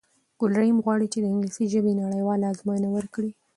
ګل رحیم غواړی چې د انګلیسی ژبی نړېواله آزموینه ورکړی